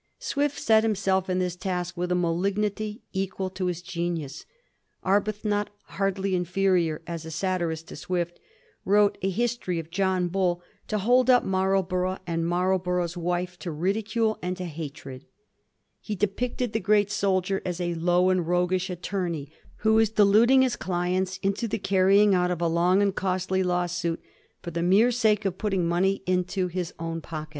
Swift set himself to this task with a malignity equal to his genius. Arbuthnot, hardly inferior as a satirist to Swift, wrote a * History of John Bull,' to hold up Marlborough and Marlborough's wife to ridicule and to hatred. He depicted the great soldier as a low and roguish attorney, who was deluding his clients into the carrying on of a long and costly lawsuit, for the mere sake of putting money into his own pockets Digiti zed by Google 1714 THE NEW MINISTRY.